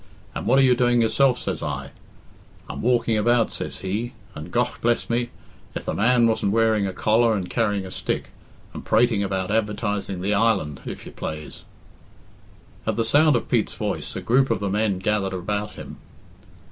'And what are you doing yourself,' says I. 'I'm walking about,' says he, and, gough bless me, if the man wasn't wearing a collar and carrying a stick, and prating about advertising the island, if you plaze." At the sound of Pete's voice a group of the men gathered about him.